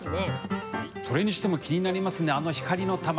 それにしても気になりますね、あの光の球。